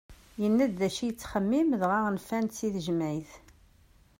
Yenna-d acu yettxemmim dɣa nfan-t si tejmaɛit.